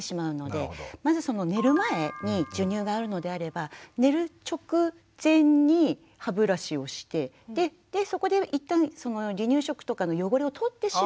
まずその寝る前に授乳があるのであれば寝る直前に歯ブラシをしてでそこで一旦離乳食とかの汚れをとってしまって授乳。